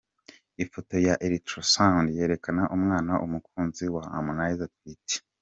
Ifoto ya Ultrasound yerekana umwana umukunzi wa Harmonize atwite.